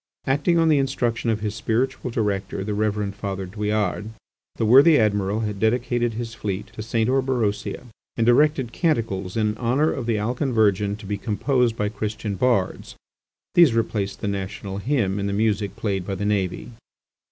Acting on the instruction of his spiritual director, the Reverend Father Douillard, the worthy Admiral had dedicated his fleet to St. Orberosia and directed canticles in honour of the Alcan Virgin to be composed by Christian bards. These replaced the national hymn in the music played by the navy.